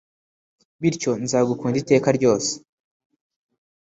bityo nzagukunda iteka ryose